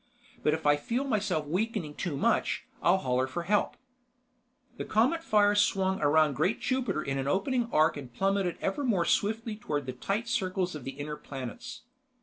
But if I feel myself weakening too much, I'll holler for help." The Cometfire swung around great Jupiter in an opening arc and plummeted ever more swiftly toward the tight circles of the inner planets.